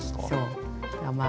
そう。